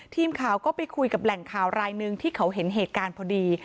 ทีมข่าวก็ไปคุยกับแหล่งข่าวรายหนึ่งที่เขาเห็นเหตุการณ์พอดี